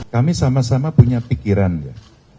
kami sama sama punya pikiran ya